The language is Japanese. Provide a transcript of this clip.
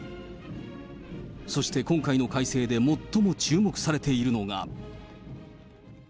そして今回の改正で最も注目されているのが。